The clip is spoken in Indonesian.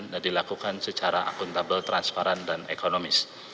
dan dilakukan secara akuntabel transparan dan ekonomis